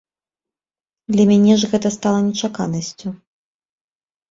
Для мяне ж гэта стала нечаканасцю.